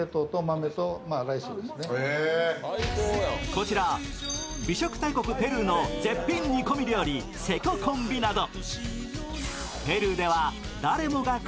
こちら美食大国ペルーの絶品煮込み料理セココンビナド。